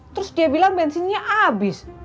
terus dia bilang bensinnya habis